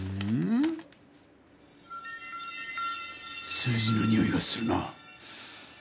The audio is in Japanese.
数字のにおいがするな。